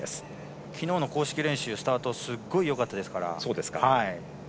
昨日の公式練習スタートがすごくよかったですから。